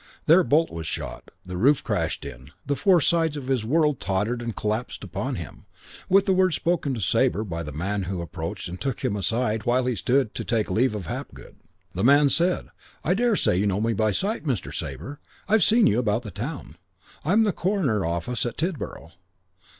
Their bolt was shot, the roof crashed in, the four sides of his world tottered and collapsed upon him, with the words spoken to Sabre by that man who approached and took him aside while he stood to take leave of Hapgood. The man said, "I daresay you know me by sight, Mr. Sabre. I've seen you about the town. I'm the coroner's officer at Tidborough.